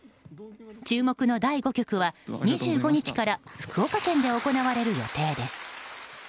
注目の第５局は２５日から福岡県で行われる予定です。